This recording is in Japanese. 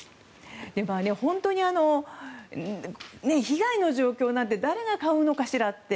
本当に被害の状況なんて誰が買うのかしらって